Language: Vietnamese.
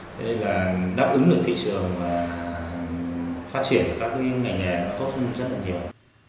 thế là đáp ứng được thị trường và phát triển các cái ngành nghề có rất là nhiều